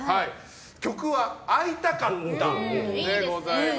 曲は「会いたかった」でございます。